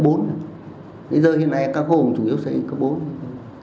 bây giờ hiện nay các khổng chủ yếu xây cấp bốn